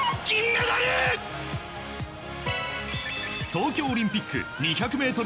東京オリンピック２００ｍ